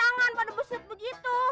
kenapa tangan pada buset begitu